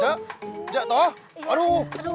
sakit kenapa cak